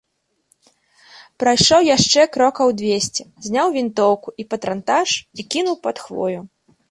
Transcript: Прайшоў яшчэ крокаў дзвесце, зняў вінтоўку і патранташ і кінуў пад хвою.